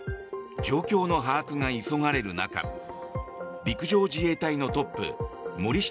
状況の把握が急がれる中陸上自衛隊のトップ森下